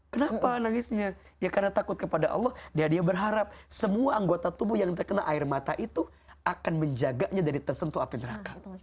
kenapa nangisnya ya karena takut kepada allah dia dia berharap semua anggota tubuh yang terkena air mata itu akan menjaganya dari tersentuh api neraka